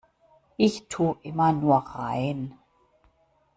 Ich tu' immer nur rein.